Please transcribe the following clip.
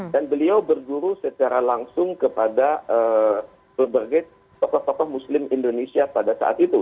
dan beliau berguru secara langsung kepada pelbagai tokoh tokoh muslim indonesia pada saat itu